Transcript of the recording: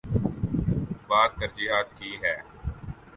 بات ترجیحات کی ہے۔